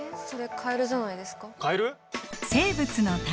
カエル？